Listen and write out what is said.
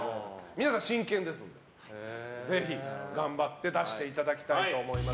皆さん真剣ですのでぜひ頑張って出していただきたいと思います。